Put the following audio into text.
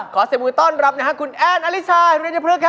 ขอเสียบุคคลิปต้อนรับนะครับคุณแอนอลิชาธุรกิจพฤกษ์ค่ะ